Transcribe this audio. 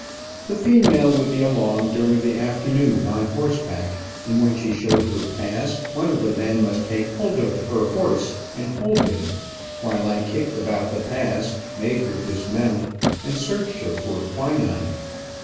The female would be along during the afternoon, on horseback, and when she showed her pass, one of the men must take hold of her horse and hold him, while I kicked about the pass, made her dismount, and searched her for quinine.